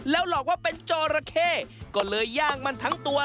หลอกว่าเป็นจอระเข้ก็เลยย่างมันทั้งตัว